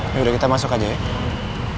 yaudah kita masuk aja ya